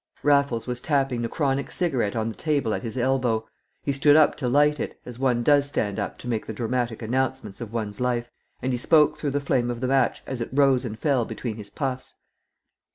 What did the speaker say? Raffles was tapping the chronic cigarette on the table at his elbow; he stood up to light it, as one does stand up to make the dramatic announcements of one's life, and he spoke through the flame of the match as it rose and fell between his puffs.